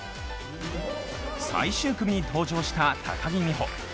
最終組に登場した高木美帆。